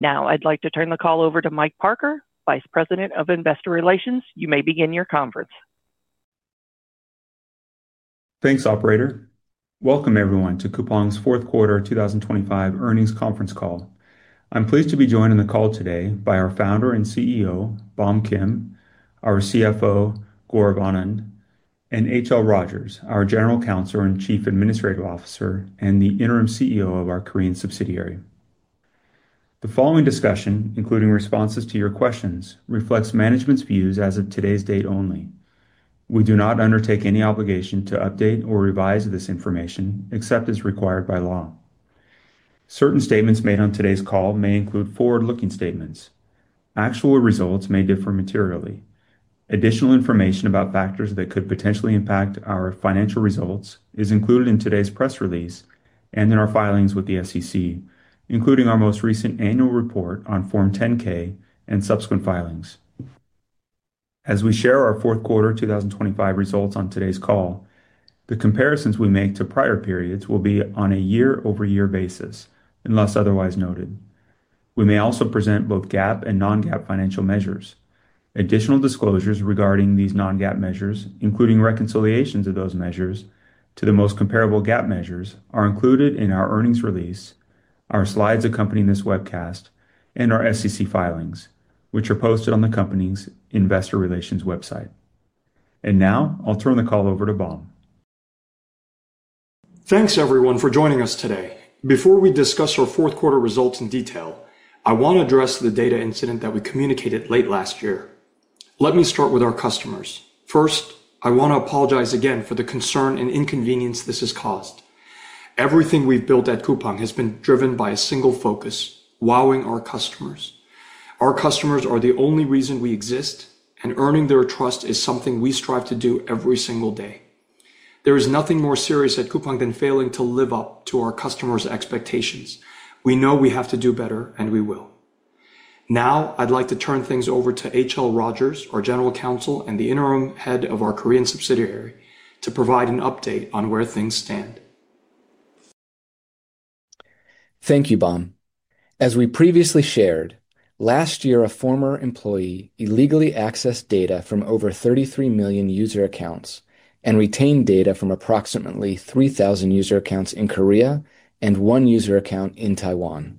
Now I'd like to turn the call over to Mike Parker, Vice President of Investor Relations. You may begin your conference. Thanks, operator. Welcome everyone to Coupang's fourth quarter 2025 earnings conference call. I'm pleased to be joined on the call today by our Founder and CEO, Bom Kim, our CFO, Gaurav Anand, and H.L. Rogers, our General Counsel and Chief Administrative Officer, and the Interim CEO of our Korean subsidiary. The following discussion, including responses to your questions, reflects management's views as of today's date only. We do not undertake any obligation to update or revise this information except as required by law. Certain statements made on today's call may include forward-looking statements. Actual results may differ materially. Additional information about factors that could potentially impact our financial results is included in today's press release and in our filings with the SEC, including our most recent annual report on Form 10-K and subsequent filings. As we share our Q4 2025 results on today's call, the comparisons we make to prior periods will be on a year-over-year basis, unless otherwise noted. We may also present both GAAP and non-GAAP financial measures. Additional disclosures regarding these non-GAAP measures, including reconciliations of those measures to the most comparable GAAP measures, are included in our earnings release, our slides accompanying this webcast, and our SEC filings, which are posted on the company's investor relations website. Now I'll turn the call over to Bom. Thanks everyone for joining us today. Before we discuss our fourth quarter results in detail, I want to address the data incident that we communicated late last year. Let me start with our customers. First, I want to apologize again for the concern and inconvenience this has caused. Everything we've built at Coupang has been driven by a single focus: wowing our customers. Our customers are the only reason we exist, and earning their trust is something we strive to do every single day. There is nothing more serious at Coupang than failing to live up to our customers' expectations. We know we have to do better, and we will. Now, I'd like to turn things over to H.L. Rogers, our General Counsel and the interim head of our Korean subsidiary, to provide an update on where things stand. Thank you, Bom. As we previously shared, last year, a former employee illegally accessed data from over 33 million user accounts and retained data from approximately 3,000 user accounts in Korea and one user account in Taiwan.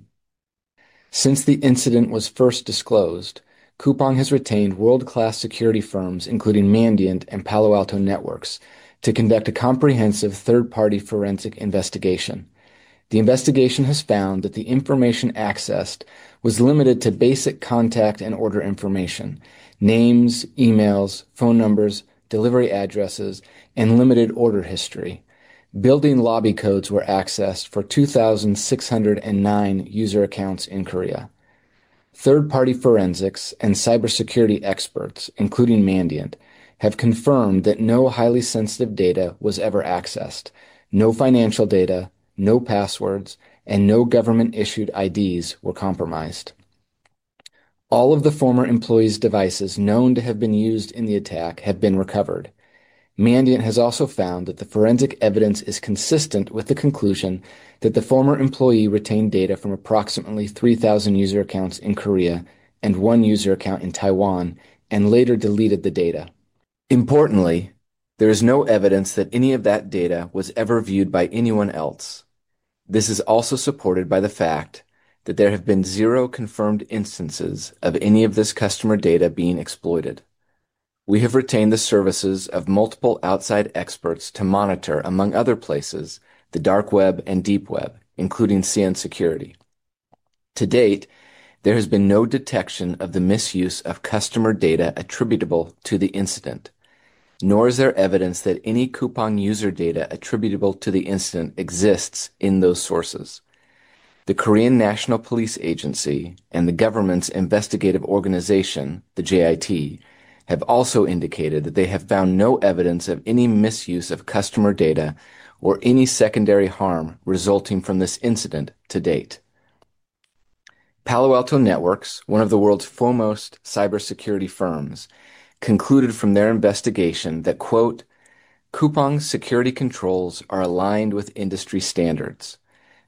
Since the incident was first disclosed, Coupang has retained world-class security firms, including Mandiant and Palo Alto Networks, to conduct a comprehensive third-party forensic investigation. The investigation has found that the information accessed was limited to basic contact and order information, names, emails, phone numbers, delivery addresses, and limited order history. Building lobby codes were accessed for 2,609 user accounts in Korea. Third-party forensics and cybersecurity experts, including Mandiant, have confirmed that no highly sensitive data was ever accessed. No financial data, no passwords, and no government-issued IDs were compromised. All of the former employee's devices known to have been used in the attack have been recovered. Mandiant has also found that the forensic evidence is consistent with the conclusion that the former employee retained data from approximately 3,000 user accounts in Korea and one user account in Taiwan and later deleted the data. Importantly, there is no evidence that any of that data was ever viewed by anyone else. This is also supported by the fact that there have been 0 confirmed instances of any of this customer data being exploited. We have retained the services of multiple outside experts to monitor, among other places, the dark web and deep web, including CN Security. To date, there has been no detection of the misuse of customer data attributable to the incident, nor is there evidence that any Coupang user data attributable to the incident exists in those sources. The Korean National Police Agency and the government's investigative organization, the JIT, have also indicated that they have found no evidence of any misuse of customer data or any secondary harm resulting from this incident to date. Palo Alto Networks, one of the world's foremost cybersecurity firms, concluded from their investigation that, quote, "Coupang's security controls are aligned with industry standards.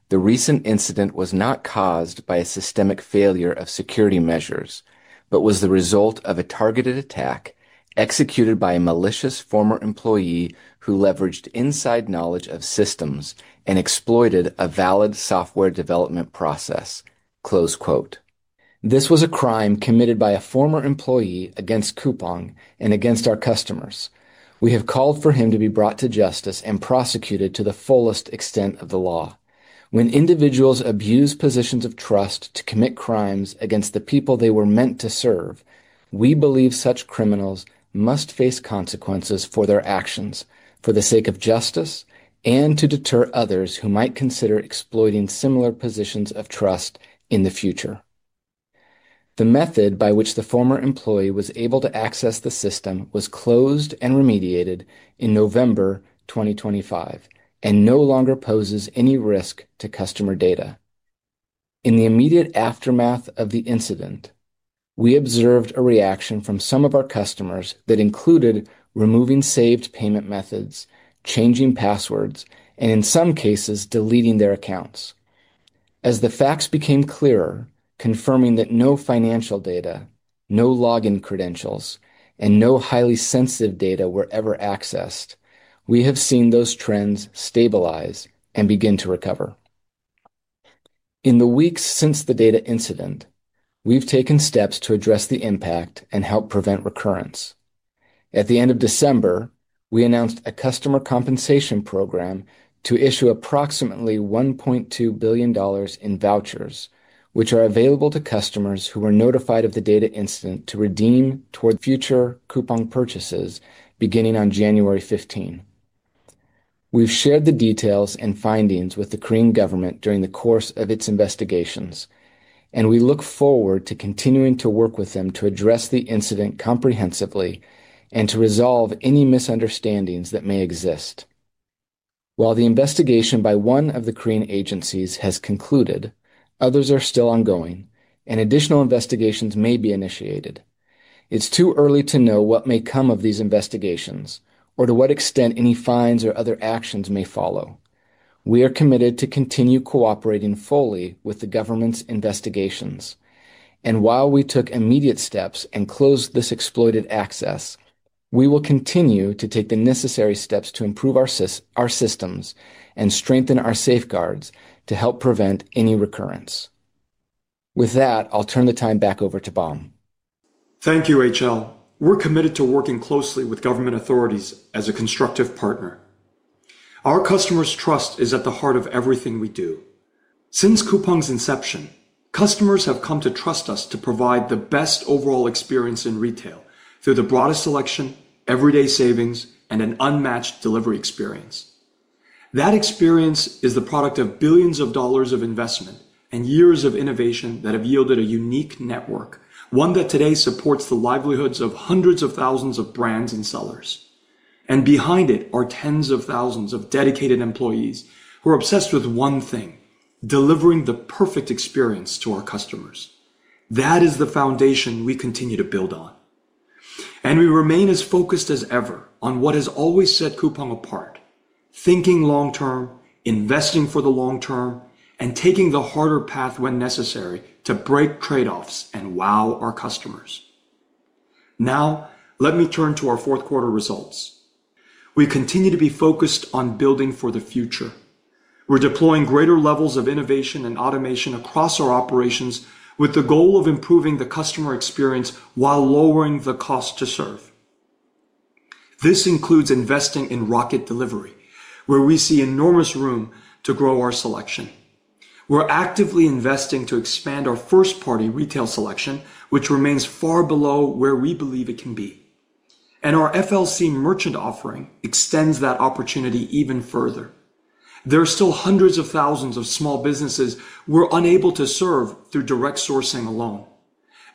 The recent incident was not caused by a systemic failure of security measures, but was the result of a targeted attack executed by a malicious former employee who leveraged inside knowledge of systems and exploited a valid software development process." Close quote. This was a crime committed by a former employee against Coupang and against our customers. We have called for him to be brought to justice and prosecuted to the fullest extent of the law. When individuals abuse positions of trust to commit crimes against the people they were meant to serve, we believe such criminals must face consequences for their actions for the sake of justice and to deter others who might consider exploiting similar positions of trust in the future. The method by which the former employee was able to access the system was closed and remediated in November 2025 and no longer poses any risk to customer data. In the immediate aftermath of the incident. We observed a reaction from some of our customers that included removing saved payment methods, changing passwords, and in some cases, deleting their accounts. As the facts became clearer, confirming that no financial data, no login credentials, and no highly sensitive data were ever accessed, we have seen those trends stabilize and begin to recover. In the weeks since the data incident, we've taken steps to address the impact and help prevent recurrence. At the end of December, we announced a customer compensation program to issue approximately $1.2 billion in vouchers, which are available to customers who were notified of the data incident to redeem toward future Coupang purchases beginning on January 15. We've shared the details and findings with the Korean government during the course of its investigations, and we look forward to continuing to work with them to address the incident comprehensively and to resolve any misunderstandings that may exist. While the investigation by one of the Korean agencies has concluded, others are still ongoing, and additional investigations may be initiated. It's too early to know what may come of these investigations or to what extent any fines or other actions may follow. We are committed to continue cooperating fully with the government's investigations. While we took immediate steps and closed this exploited access, we will continue to take the necessary steps to improve our systems and strengthen our safeguards to help prevent any recurrence. With that, I'll turn the time back over to Bom. Thank you, H.L. Rogers. We're committed to working closely with government authorities as a constructive partner. Our customers' trust is at the heart of everything we do. Since Coupang's inception, customers have come to trust us to provide the best overall experience in retail through the broadest selection, everyday savings, and an unmatched delivery experience. That experience is the product of billions of dollars of investment and years of innovation that have yielded a unique network, one that today supports the livelihoods of hundreds of thousands of brands and sellers. Behind it are tens of thousands of dedicated employees who are obsessed with one thing: delivering the perfect experience to our customers. That is the foundation we continue to build on, and we remain as focused as ever on what has always set Coupang apart: thinking long term, investing for the long term, and taking the harder path when necessary to break trade-offs and wow our customers. Let me turn to our fourth quarter results. We continue to be focused on building for the future. We're deploying greater levels of innovation and automation across our operations, with the goal of improving the customer experience while lowering the cost to serve. This includes investing in Rocket Delivery, where we see enormous room to grow our selection. We're actively investing to expand our first-party retail selection, which remains far below where we believe it can be, and our FLC merchant offering extends that opportunity even further. There are still hundreds of thousands of small businesses we're unable to serve through direct sourcing alone.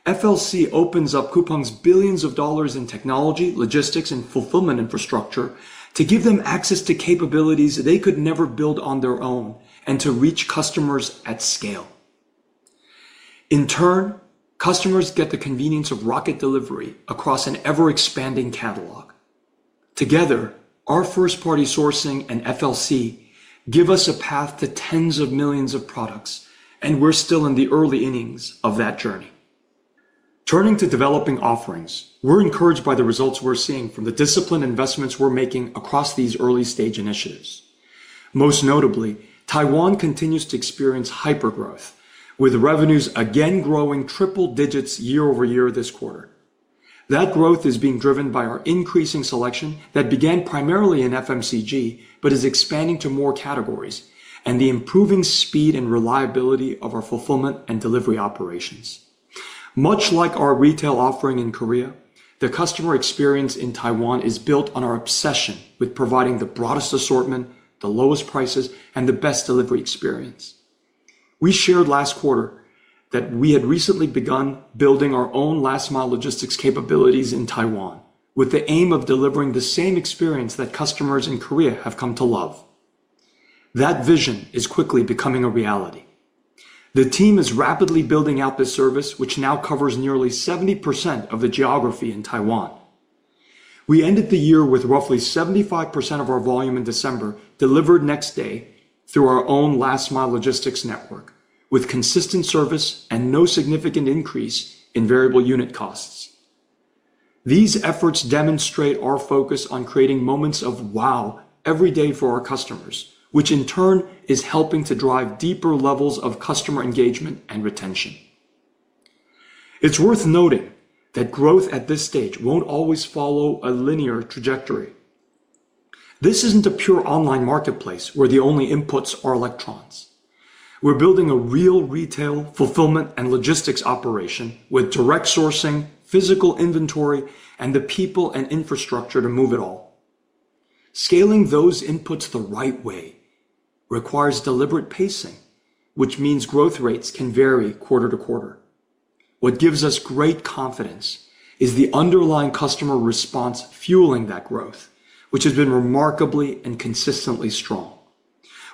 FLC opens up Coupang's billions of dollars in technology, logistics, and fulfillment infrastructure to give them access to capabilities they could never build on their own and to reach customers at scale. In turn, customers get the convenience of Rocket Delivery across an ever-expanding catalog. Together, our first-party sourcing and FLC give us a path to tens of millions of products, and we're still in the early innings of that journey. Turning to Developing Offerings, we're encouraged by the results we're seeing from the disciplined investments we're making across these early-stage initiatives. Most notably, Taiwan continues to experience hypergrowth, with revenues again growing triple digits year-over-year this quarter. That growth is being driven by our increasing selection that began primarily in FMCG, but is expanding to more categories and the improving speed and reliability of our fulfillment and delivery operations. Much like our retail offering in Korea, the customer experience in Taiwan is built on our obsession with providing the broadest assortment, the lowest prices, and the best delivery experience. We shared last quarter that we had recently begun building our own last-mile logistics capabilities in Taiwan, with the aim of delivering the same experience that customers in Korea have come to love. That vision is quickly becoming a reality. The team is rapidly building out this service, which now covers nearly 70% of the geography in Taiwan. We ended the year with roughly 75% of our volume in December, delivered next day through our own last-mile logistics network, with consistent service and no significant increase in variable unit costs. These efforts demonstrate our focus on creating moments of WOW every day for our customers, which in turn is helping to drive deeper levels of customer engagement and retention. It's worth noting that growth at this stage won't always follow a linear trajectory. This isn't a pure online marketplace where the only inputs are electrons. We're building a real retail, fulfillment, and logistics operation with direct sourcing, physical inventory, and the people and infrastructure to move it all. Scaling those inputs the right way requires deliberate pacing, which means growth rates can vary quarter-to-quarter. What gives us great confidence is the underlying customer response fueling that growth, which has been remarkably and consistently strong.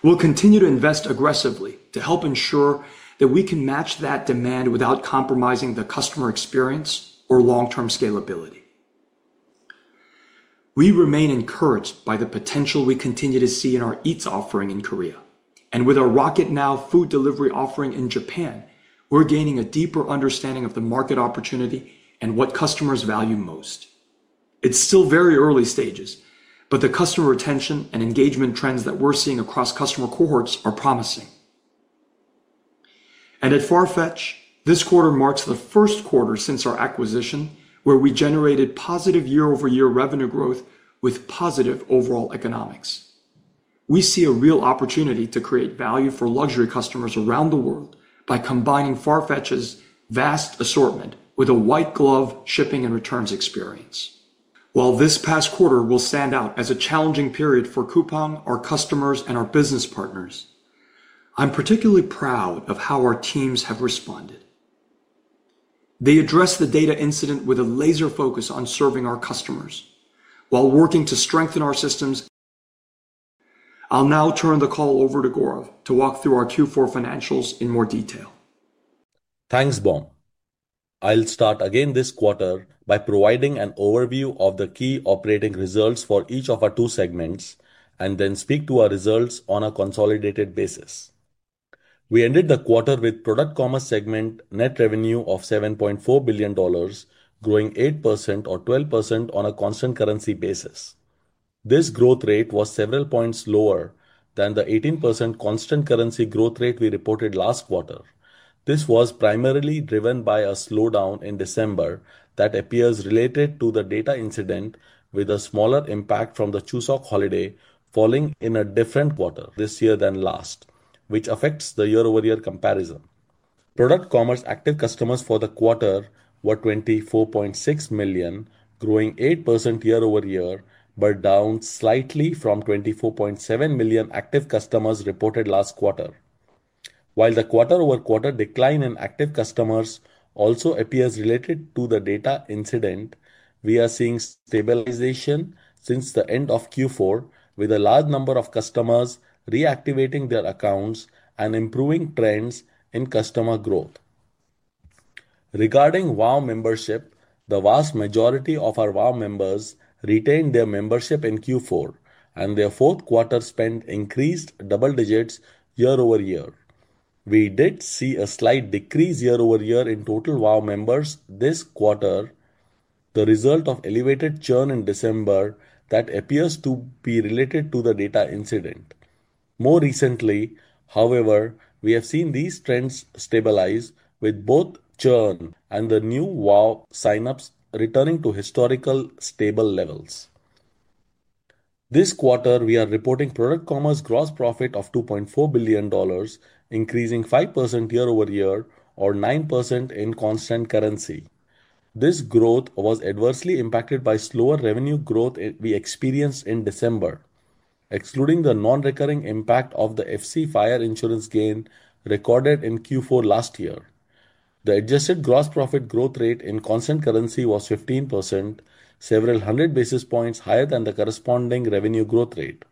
We'll continue to invest aggressively to help ensure that we can match that demand without compromising the customer experience or long-term scalability. We remain encouraged by the potential we continue to see in our Eats offering in Korea. With our Rocket Now food delivery offering in Japan, we're gaining a deeper understanding of the market opportunity and what customers value most. It's still very early stages. The customer retention and engagement trends that we're seeing across customer cohorts are promising. At FARFETCH, this quarter marks the first quarter since our acquisition, where we generated positive year-over-year revenue growth with positive overall economics. We see a real opportunity to create value for luxury customers around the world by combining FARFETCH's vast assortment with a white glove shipping and returns experience. While this past quarter will stand out as a challenging period for Coupang, our customers, and our business partners, I'm particularly proud of how our teams have responded. They addressed the data incident with a laser focus on serving our customers while working to strengthen our systems. I'll now turn the call over to Gaurav to walk through our Q4 financials in more detail. Thanks, Bom. I'll start again this quarter by providing an overview of the key operating results for each of our two segments and then speak to our results on a consolidated basis. We ended the quarter with Product Commerce segment net revenue of $7.4 billion, growing 8% or 12% on a constant currency basis. This growth rate was several points lower than the 18% constant currency growth rate we reported last quarter. This was primarily driven by a slowdown in December that appears related to the data incident, with a smaller impact from the Chuseok holiday falling in a different quarter this year than last, which affects the year-over-year comparison. Product Commerce active customers for the quarter were 24.6 million, growing 8% year-over-year, but down slightly from 24.7 million active customers reported last quarter. While the quarter-over-quarter decline in active customers also appears related to the data incident, we are seeing stabilization since the end of Q4, with a large number of customers reactivating their accounts and improving trends in customer growth. Regarding WOW membership, the vast majority of our WOW members retained their membership in Q4, and their fourth quarter spend increased double digits year-over-year. We did see a slight decrease year-over-year in total WOW members this quarter, the result of elevated churn in December that appears to be related to the data incident. More recently, however, we have seen these trends stabilize, with both churn and the new WOW sign-ups returning to historical stable levels. This quarter, we are reporting Product Commerce gross profit of $2.4 billion, increasing 5% year-over-year or 9% in constant currency. This growth was adversely impacted by slower revenue growth we experienced in December, excluding the non-recurring impact of the FC fire insurance gain recorded in Q4 last year. The adjusted gross profit growth rate in constant currency was 15%, several hundred basis points higher than the corresponding revenue growth rate.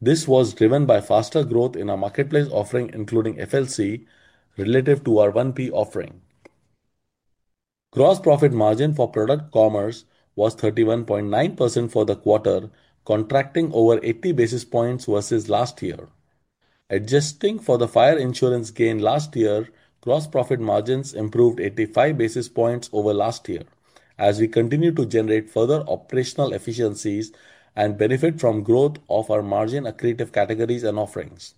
This was driven by faster growth in our marketplace offering, including FLC, relative to our 1P offering. Gross profit margin for Product Commerce was 31.9% for the quarter, contracting over 80 basis points versus last year. Adjusting for the fire insurance gain last year, gross profit margins improved 85 basis points over last year as we continue to generate further operational efficiencies and benefit from growth of our margin accretive categories and offerings.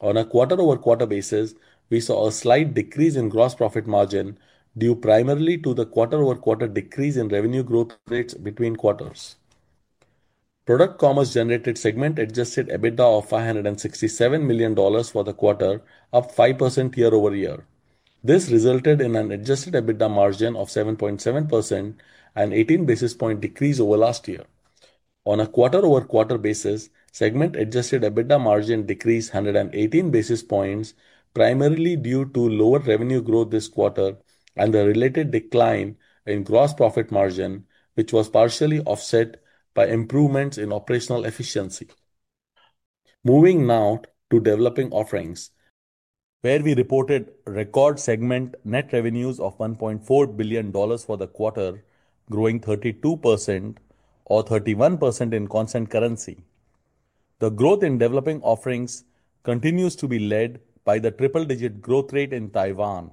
On a quarter-over-quarter basis, we saw a slight decrease in gross profit margin due primarily to the quarter-over-quarter decrease in revenue growth rates between quarters. Product Commerce generated segment adjusted EBITDA of $567 million for the quarter, up 5% year-over-year. This resulted in an adjusted EBITDA margin of 7.7% and 18 basis point decrease over last year. On a quarter-over-quarter basis, segment adjusted EBITDA margin decreased 118 basis points, primarily due to lower revenue growth this quarter and the related decline in gross profit margin, which was partially offset by improvements in operational efficiency. Moving now to Developing Offerings, where we reported record segment net revenues of $1.4 billion for the quarter, growing 32% or 31% in constant currency. The growth in Developing Offerings continues to be led by the triple digit growth rate in Taiwan.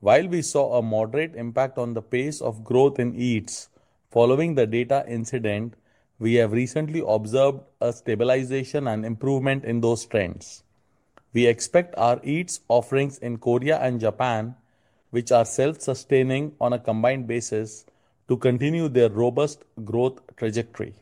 While we saw a moderate impact on the pace of growth in Eats following the data incident, we have recently observed a stabilization and improvement in those trends. We expect our Eats offerings in Korea and Japan, which are self-sustaining on a combined basis, to continue their robust growth trajectory.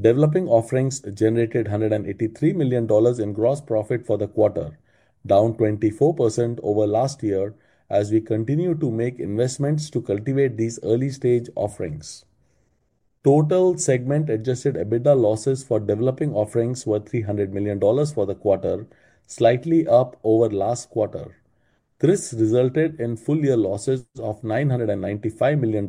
Developing Offerings generated $183 million in gross profit for the quarter, down 24% over last year as we continue to make investments to cultivate these early-stage offerings. Total segment adjusted EBITDA losses for Developing Offerings were $300 million for the quarter, slightly up over last quarter. This resulted in full year losses of $995 million.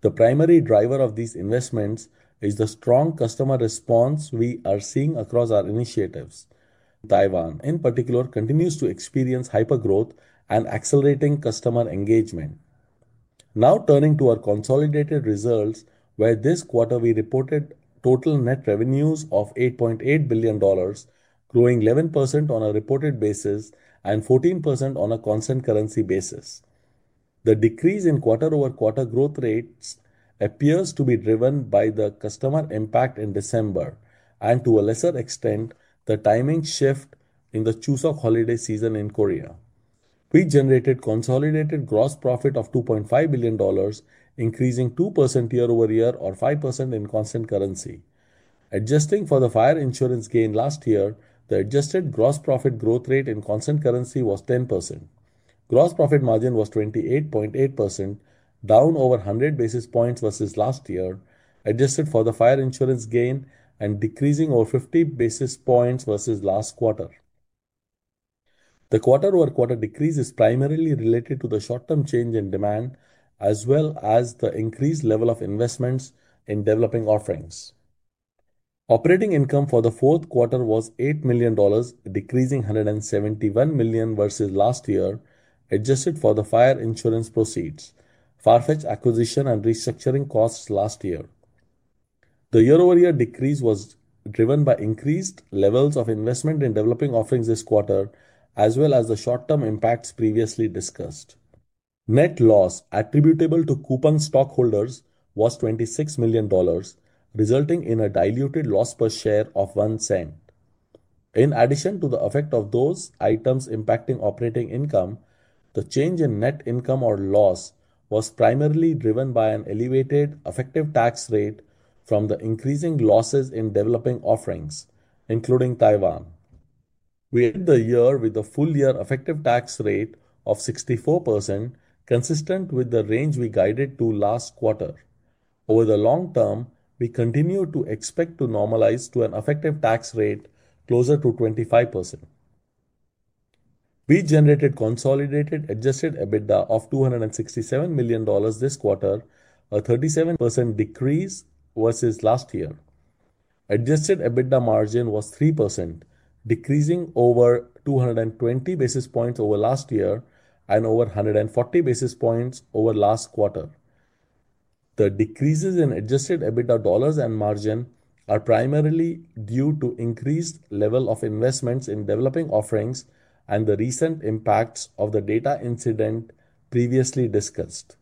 The primary driver of these investments is the strong customer response we are seeing across our initiatives. Taiwan, in particular, continues to experience hypergrowth and accelerating customer engagement. Turning to our consolidated results, where this quarter we reported total net revenues of $8.8 billion, growing 11% on a reported basis and 14% on a constant currency basis. The decrease in quarter-over-quarter growth rates appears to be driven by the customer impact in December and, to a lesser extent, the timing shift in the Chuseok holiday season in Korea. We generated consolidated gross profit of $2.5 billion, increasing 2% year-over-year or 5% in constant currency. Adjusting for the fire insurance gain last year, the adjusted gross profit growth rate in constant currency was 10%. Gross profit margin was 28.8%, down over 100 basis points versus last year, adjusted for the fire insurance gain and decreasing over 50 basis points versus last quarter. The quarter-over-quarter decrease is primarily related to the short-term change in demand, as well as the increased level of investments in Developing Offerings. Operating income for the fourth quarter was $8 million, decreasing $171 million versus last year, adjusted for the fire insurance proceeds, FARFETCH acquisition, and restructuring costs last year. The year-over-year decrease was driven by increased levels of investment in Developing Offerings this quarter, as well as the short-term impacts previously discussed. Net loss attributable to Coupang stockholders was $26 million, resulting in a diluted loss per share of $0.01. In addition to the effect of those items impacting operating income, the change in net income or loss was primarily driven by an elevated effective tax rate from the increasing losses in Developing Offerings, including Taiwan. We ended the year with a full-year effective tax rate of 64%, consistent with the range we guided to last quarter. Over the long term, we continue to expect to normalize to an effective tax rate closer to 25%. We generated consolidated adjusted EBITDA of $267 million this quarter, a 37% decrease versus last year. Adjusted EBITDA margin was 3%, decreasing over 220 basis points over last year and over 140 basis points over last quarter. The decreases in adjusted EBITDA dollars and margin are primarily due to increased level of investments in Developing Offerings and the recent impacts of the data incident previously discussed.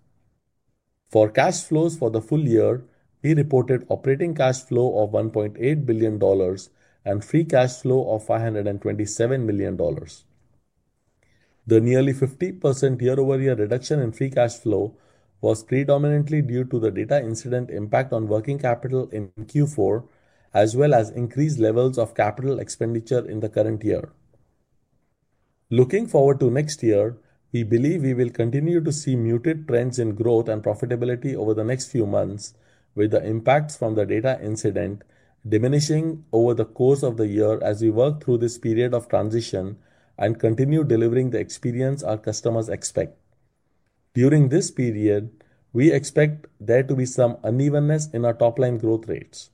For cash flows for the full year, we reported operating cash flow of $1.8 billion and free cash flow of $527 million. The nearly 50% year-over-year reduction in free cash flow was predominantly due to the data incident impact on working capital in Q4, as well as increased levels of capital expenditure in the current year. Looking forward to next year, we believe we will continue to see muted trends in growth and profitability over the next few months, with the impacts from the data incident diminishing over the course of the year as we work through this period of transition and continue delivering the experience our customers expect. During this period, we expect there to be some unevenness in our top-line growth rates.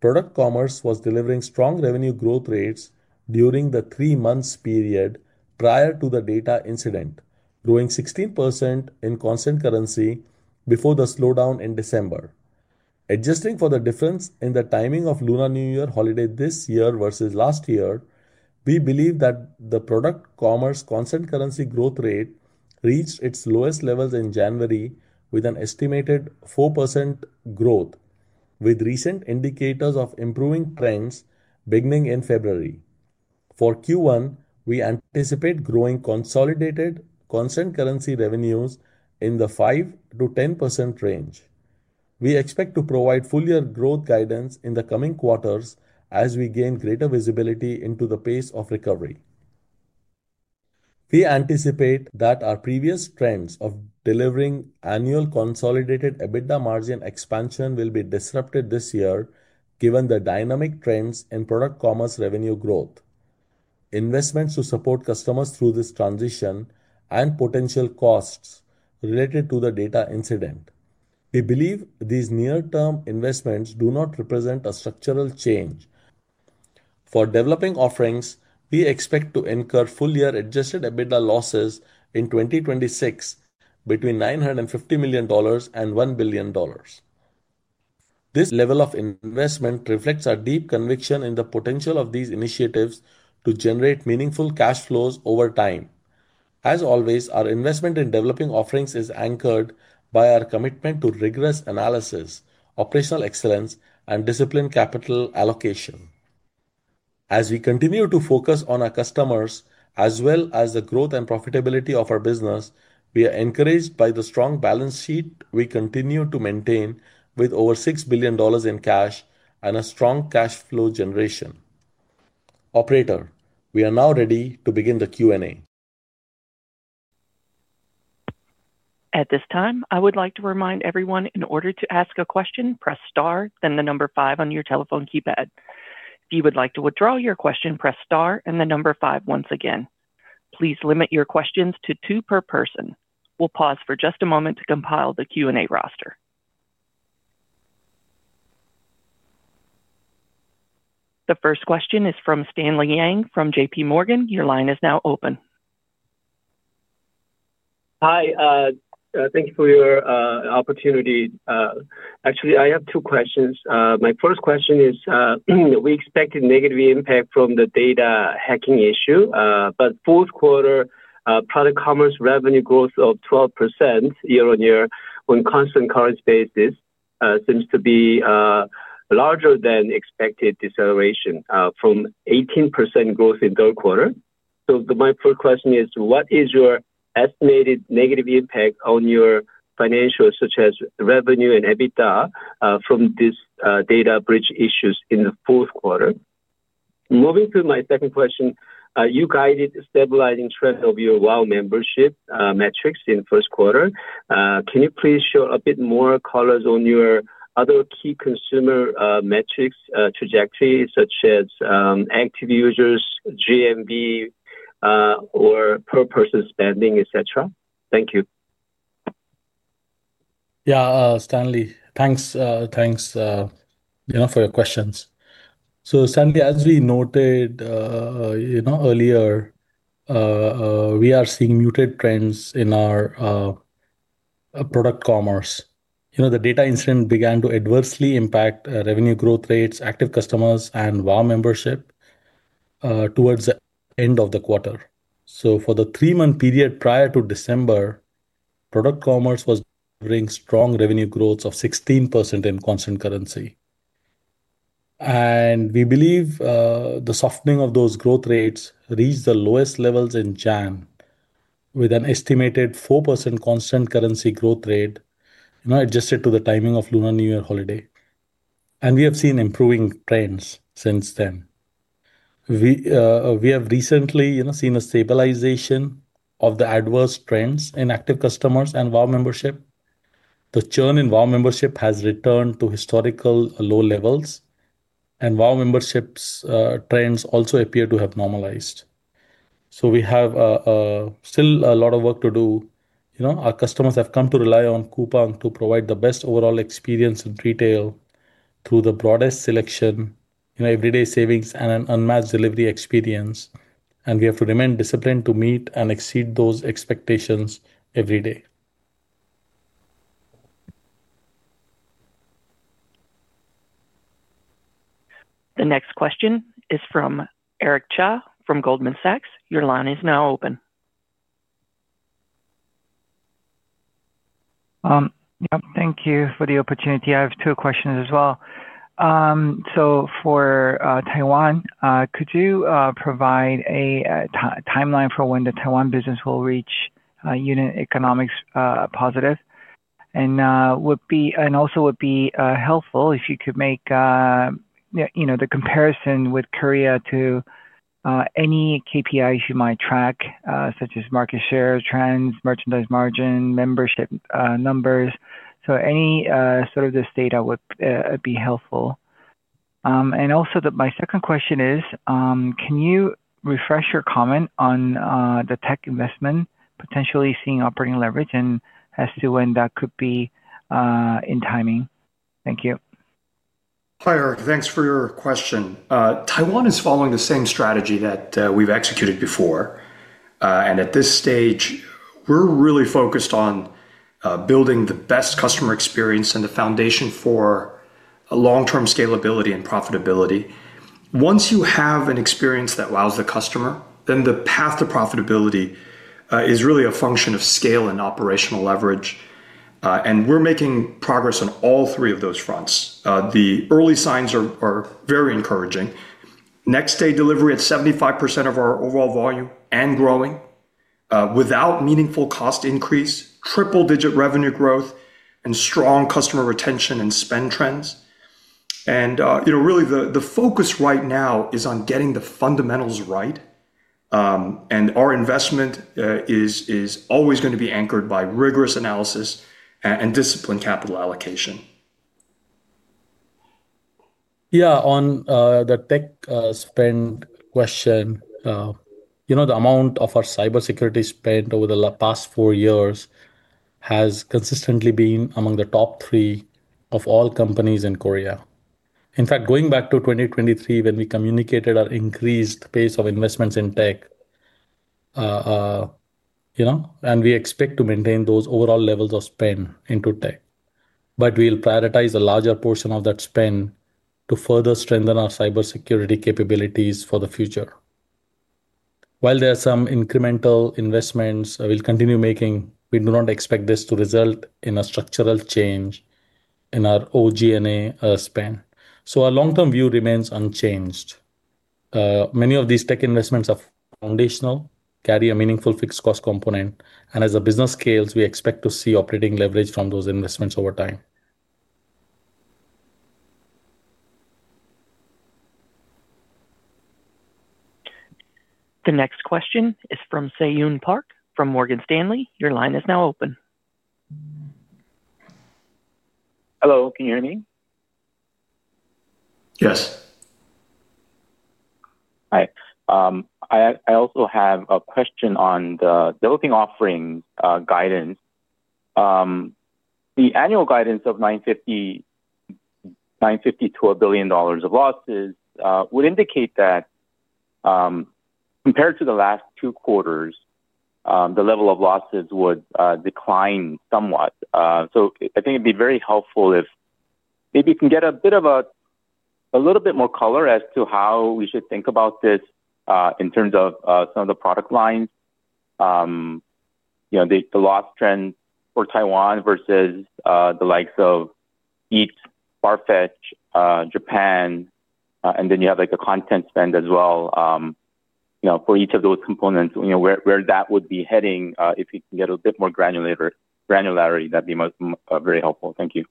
Product Commerce was delivering strong revenue growth rates during the three months period prior to the data incident, growing 16% in constant currency before the slowdown in December. Adjusting for the difference in the timing of Lunar New Year holiday this year versus last year, we believe that the Product Commerce constant currency growth rate reached its lowest levels in January with an estimated 4% growth, with recent indicators of improving trends beginning in February. For Q1, we anticipate growing consolidated constant currency revenues in the 5%-10% range. We expect to provide full-year growth guidance in the coming quarters as we gain greater visibility into the pace of recovery. We anticipate that our previous trends of delivering annual consolidated EBITDA margin expansion will be disrupted this year, given the dynamic trends in Product Commerce revenue growth, investments to support customers through this transition, and potential costs related to the data incident. We believe these near-term investments do not represent a structural change. For Developing Offerings, we expect to incur full-year adjusted EBITDA losses in 2026, between $950 million and $1 billion. This level of investment reflects our deep conviction in the potential of these initiatives to generate meaningful cash flows over time. As always, our investment in Developing Offerings is anchored by our commitment to rigorous analysis, operational excellence, and disciplined capital allocation. As we continue to focus on our customers, as well as the growth and profitability of our business, we are encouraged by the strong balance sheet we continue to maintain with over $6 billion in cash and a strong cash flow generation. Operator, we are now ready to begin the Q&A. At this time, I would like to remind everyone, in order to ask a question, press star, then the number five on your telephone keypad. If you would like to withdraw your question, press star and the number five once again. Please limit your questions to two per person. We'll pause for just a moment to compile the Q&A roster. The first question is from Stanley Yang from J.P. Morgan. Your line is now open. Hi, thank you for your opportunity. Actually, I have two questions. My first question is, we expected negative impact from the data hacking issue, but fourth quarter Product Commerce revenue growth of 12% year-on-year on constant currency basis seems to be larger than expected deceleration from 18% growth in third quarter. My first question is: What is your estimated negative impact on your financials, such as revenue and EBITDA, from this data breach issues in the fourth quarter? Moving to my second question, you guided stabilizing trend of your WOW membership metrics in the first quarter. Can you please show a bit more colors on your other key consumer metrics trajectory, such as active users, GMV, or per person spending, et cetera? Thank you. Yeah, Stanley, thanks, you know, for your questions. Stanley, as we noted, you know, earlier, we are seeing muted trends in our Product Commerce. You know, the data incident began to adversely impact revenue growth rates, active customers, and WOW membership towards the end of the quarter. For the three-month period prior to December, Product Commerce was bringing strong revenue growth of 16% in constant currency. We believe, the softening of those growth rates reached the lowest levels in January, with an estimated 4% constant currency growth rate, you know, adjusted to the timing of Lunar New Year holiday. We have seen improving trends since then. We, we have recently, you know, seen a stabilization of the adverse trends in active customers and WOW membership. The churn in WOW membership has returned to historical low levels, and WOW memberships trends also appear to have normalized. We have a still a lot of work to do. You know, our customers have come to rely on Coupang to provide the best overall experience in retail through the broadest selection, you know, everyday savings and an unmatched delivery experience, and we have to remain disciplined to meet and exceed those expectations every day. The next question is from Eric Cha from Goldman Sachs. Your line is now open. Yep. Thank you for the opportunity. I have two questions as well. For Taiwan, could you provide a timeline for when the Taiwan business will reach unit economics positive? Also would be helpful if you could make, you know, the comparison with Korea to any KPIs you might track, such as market shares, trends, merchandise margin, membership numbers. Any sort of this data would be helpful. My second question is, can you refresh your comment on the tech investment potentially seeing operating leverage and as to when that could be in timing? Thank you. Hi, Eric. Thanks for your question. Taiwan is following the same strategy that we've executed before. At this stage, we're really focused on building the best customer experience and the foundation for a long-term scalability and profitability. Once you have an experience that wows the customer, then the path to profitability is really a function of scale and operational leverage. We're making progress on all three of those fronts. The early signs are very encouraging. Next-day delivery at 75% of our overall volume and growing, without meaningful cost increase, triple-digit revenue growth and strong customer retention and spend trends. You know, really, the focus right now is on getting the fundamentals right. Our investment is always gonna be anchored by rigorous analysis and disciplined capital allocation. Yeah, on the tech spend question, you know, the amount of our cybersecurity spend over the past four years has consistently been among the top three of all companies in Korea. In fact, going back to 2023, when we communicated our increased pace of investments in tech, you know, we expect to maintain those overall levels of spend into tech. We'll prioritize a larger portion of that spend to further strengthen our cybersecurity capabilities for the future. While there are some incremental investments we'll continue making, we do not expect this to result in a structural change in our OG&A spend. Our long-term view remains unchanged. Many of these tech investments are foundational, carry a meaningful fixed cost component, and as the business scales, we expect to see operating leverage from those investments over time. The next question is from Seyon Park from Morgan Stanley. Your line is now open. Hello, can you hear me? Yes. Hi. I also have a question on the Developing Offerings guidance. The annual guidance of $950 million-$1 billion of losses would indicate that, compared to the last two quarters, the level of losses would decline somewhat. I think it'd be very helpful if maybe you can get a little bit more color as to how we should think about this in terms of some of the product lines. You know, the loss trend for Taiwan versus the likes of Eats, FARFETCH, Japan, and then you have, like, the content spend as well. You know, for each of those components, you know, where that would be heading, if you can get a bit more granularity, that'd be very helpful. Thank you.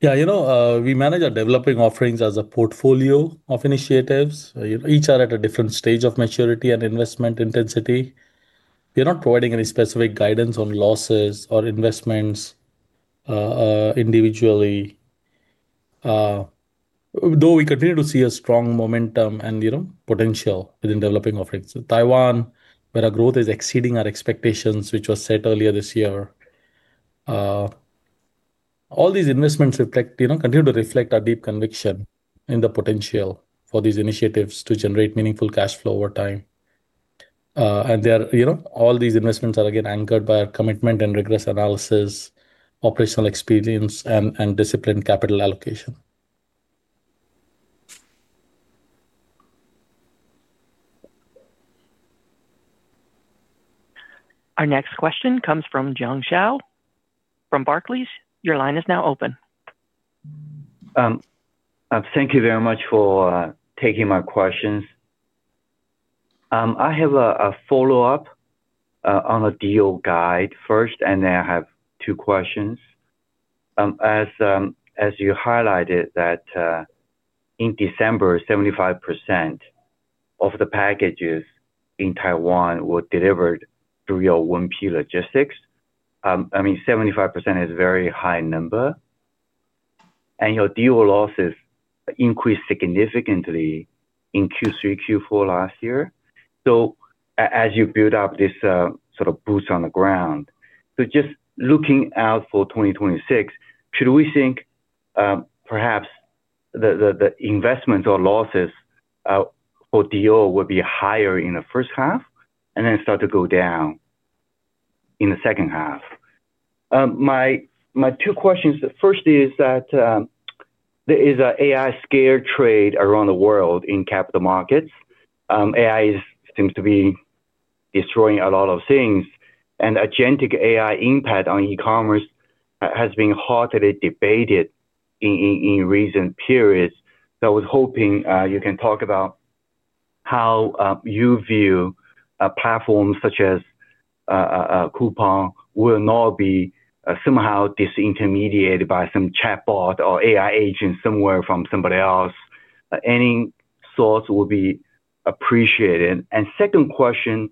Yeah, you know, we manage our Developing Offerings as a portfolio of initiatives. You know, each are at a different stage of maturity and investment intensity. We are not providing any specific guidance on losses or investments individually. Though we continue to see a strong momentum and, you know, potential within Developing Offerings. Taiwan, where our growth is exceeding our expectations, which was set earlier this year. All these investments reflect, you know, continue to reflect our deep conviction in the potential for these initiatives to generate meaningful cash flow over time. They are, you know, all these investments are, again, anchored by our commitment and rigorous analysis, operational experience, and disciplined capital allocation. Our next question comes from Jiong Shao from Barclays. Your line is now open. Thank you very much for taking my questions. I have a follow-up on the DO guide first, and then I have two questions. As you highlighted that in December, 75% of the packages in Taiwan were delivered through your 1P logistics. I mean, 75% is a very high number, and your DO losses increased significantly in Q3, Q4 last year. As you build up this sort of boots on the ground, just looking out for 2026, should we think perhaps the investments or losses for DO will be higher in the first half and then start to go down in the second half? My two questions. The first is that there is a AI scare trade around the world in capital markets. AI seems to be destroying a lot of things. agentic AI impact on e-commerce has been hotly debated in recent periods. I was hoping you can talk about how you view a platform such as Coupang will not be somehow disintermediated by some chatbot or AI agent somewhere from somebody else. Any thoughts would be appreciated. Second question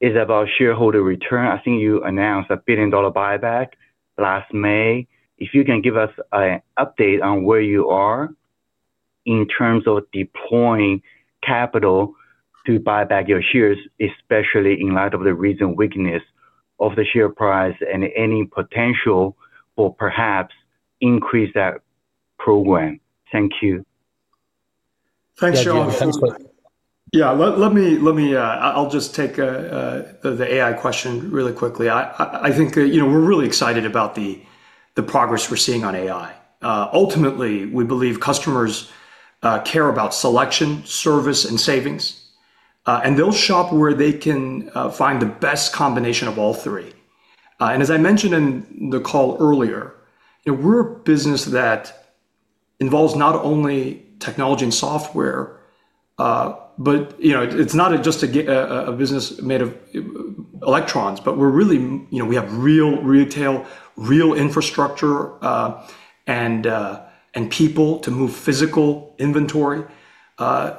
is about shareholder return. I've seen you announce a billion-dollar buyback last May. If you can give us an update on where you are in terms of deploying capital to buy back your shares, especially in light of the recent weakness of the share price and any potential or perhaps increase that program. Thank you. Thanks, Shao. Thanks. Yeah, let me, I'll just take the AI question really quickly. I think that, you know, we're really excited about the progress we're seeing on AI. Ultimately, we believe customers care about selection, service, and savings, and they'll shop where they can find the best combination of all three. As I mentioned in the call earlier, you know, we're a business that involves not only technology and software, but, you know, it's not just a business made of electrons, but we're really, you know, we have real retail, real infrastructure, and people to move physical inventory.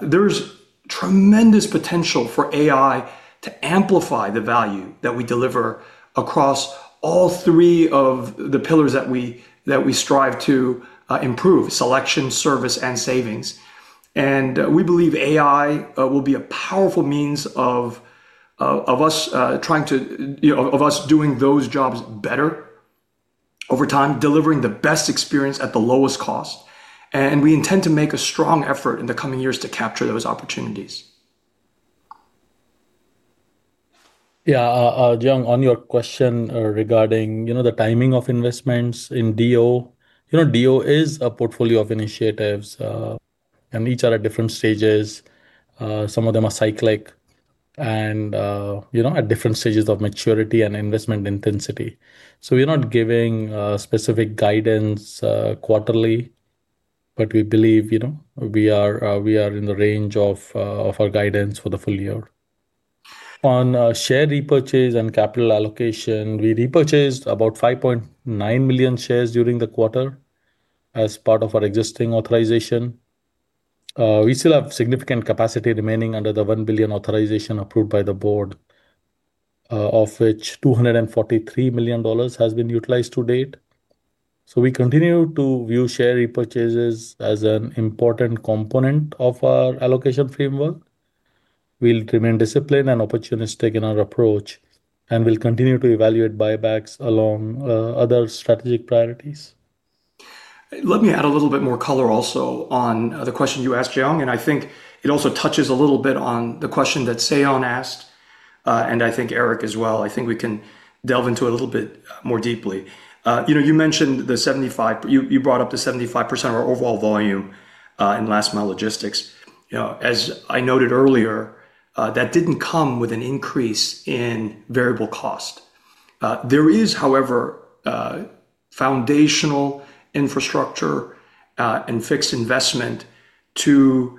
There's tremendous potential for AI to amplify the value that we deliver across all three of the pillars that we strive to improve: selection, service, and savings. We believe AI will be a powerful means of us trying to, you know, of us doing those jobs better over time, delivering the best experience at the lowest cost. We intend to make a strong effort in the coming years to capture those opportunities. Jiong, on your question regarding, you know, the timing of investments in DO. You know, DO is a portfolio of initiatives, and each are at different stages. Some of them are cyclic and, you know, at different stages of maturity and investment intensity. We're not giving specific guidance quarterly, but we believe, you know, we are in the range of our guidance for the full year. On share repurchase and capital allocation, we repurchased about 5.9 million shares during the quarter as part of our existing authorization. We still have significant capacity remaining under the $1 billion authorization approved by the board, of which $243 million has been utilized to date. We continue to view share repurchases as an important component of our allocation framework. We'll remain disciplined and opportunistic in our approach, and we'll continue to evaluate buybacks along other strategic priorities. Let me add a little bit more color also on, the question you asked, Jiong, I think it also touches a little bit on the question that Seon asked, and I think Eric as well. I think we can delve into it a little bit, more deeply. you know, you brought up the 75% of our overall volume, in last mile logistics. You know, as I noted earlier, that didn't come with an increase in variable cost. there is, however, foundational infrastructure, and fixed investment to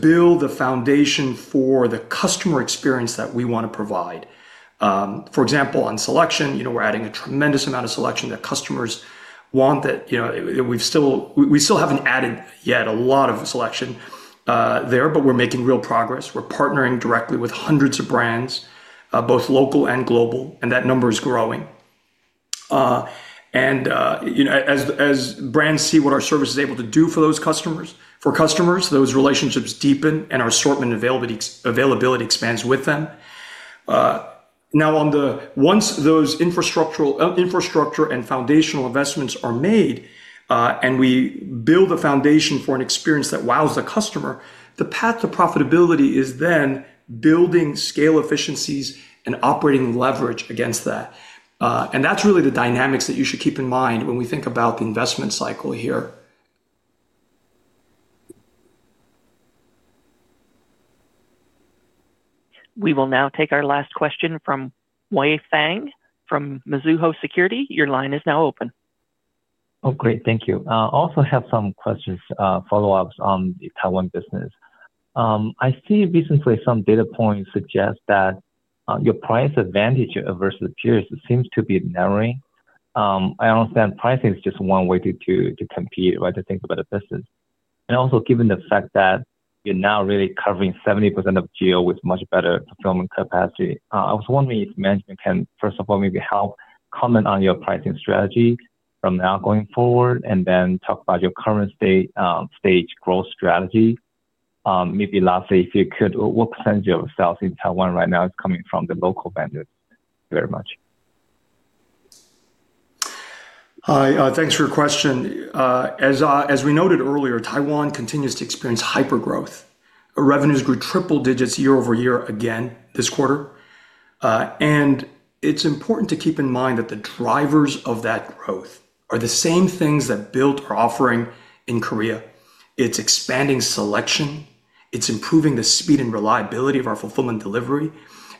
build the foundation for the customer experience that we want to provide. For example, on selection, you know, we're adding a tremendous amount of selection that customers want, that, you know, we still haven't added yet a lot of selection there, but we're making real progress. We're partnering directly with hundreds of brands, both local and global, and that number is growing. As brands see what our service is able to do for those customers, for customers, those relationships deepen, and our assortment availability expands with them. Now, once those infrastructural infrastructure and foundational investments are made, and we build a foundation for an experience that wows the customer, the path to profitability is then building scale efficiencies and operating leverage against that. That's really the dynamics that you should keep in mind when we think about the investment cycle here. We will now take our last question from Wei Fang from Mizuho Securities. Your line is now open. Oh, great. Thank you. I also have some questions, follow-ups on the Taiwan business. I see recently some data points suggest that your price advantage versus peers seems to be narrowing. I understand pricing is just one way to compete, right, to think about the business. Also given the fact that you're now really covering 70% of geo with much better fulfillment capacity, I was wondering if management can, first of all, maybe help comment on your pricing strategy from now going forward, and then talk about your current state, stage growth strategy. Maybe lastly, if you could, what % of sales in Taiwan right now is coming from the local vendors? Very much. Hi, thanks for your question. As we noted earlier, Taiwan continues to experience hypergrowth. Our revenues grew triple digits year-over-year again this quarter. It's important to keep in mind that the drivers of that growth are the same things that built our offering in Korea. It's expanding selection, it's improving the speed and reliability of our fulfillment delivery,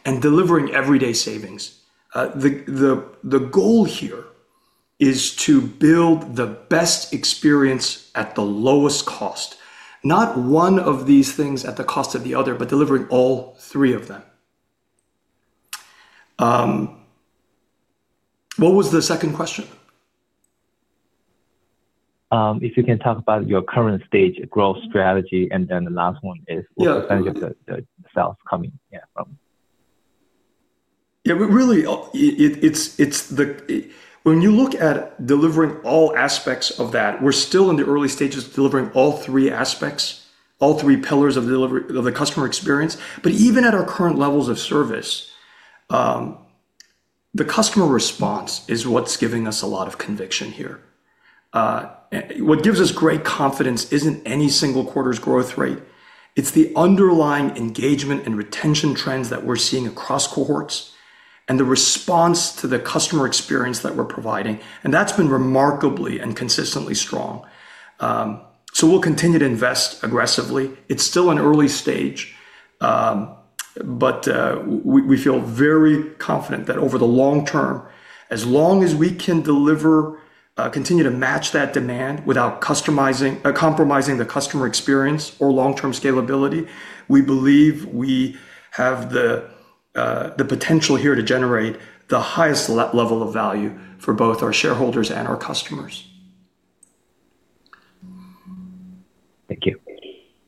and delivering everyday savings. The goal here is to build the best experience at the lowest cost. Not one of these things at the cost of the other, but delivering all three of them. What was the second question? If you can talk about your current stage growth strategy, and then the last one is. Yeah. what % of the sales coming, yeah, from? Yeah, we really. When you look at delivering all aspects of that, we're still in the early stages of delivering all three aspects, all three pillars of delivery, of the customer experience. Even at our current levels of service, the customer response is what's giving us a lot of conviction here. What gives us great confidence isn't any single quarter's growth rate, it's the underlying engagement and retention trends that we're seeing across cohorts and the response to the customer experience that we're providing, and that's been remarkably and consistently strong. We'll continue to invest aggressively. It's still an early stage, but we feel very confident that over the long term, as long as we can deliver, continue to match that demand without customizing or compromising the customer experience or long-term scalability, we believe we have the potential here to generate the highest level of value for both our shareholders and our customers. Thank you.